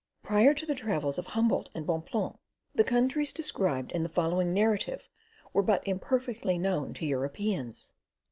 Prior to the travels of Humboldt and Bonpland, the countries described in the following narrative were but imperfectly known to Europeans.